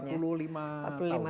empat puluh lima tahun ya